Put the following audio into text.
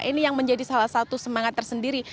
ini yang menjadi salah satu semangat tersendiri